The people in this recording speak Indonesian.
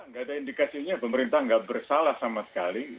nggak ada indikasinya pemerintah nggak bersalah sama sekali